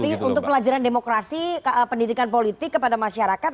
tapi untuk pelajaran demokrasi pendidikan politik kepada masyarakat